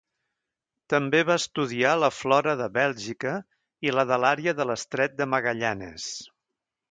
També va estudiar la flora de Bèlgica i la de l'àrea de l'Estret de Magallanes.